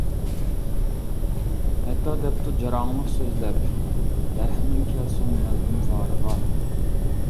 ھەتتا دەپتۇ جاراڭلىق سۆزلەپ، رەھمىڭ كەلسۇن مەزلۇم زارىغا.